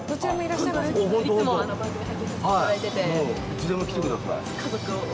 いつでも来てください。